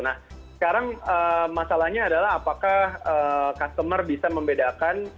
nah sekarang masalahnya adalah apakah customer bisa membedakan